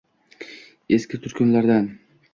Eski turkulardan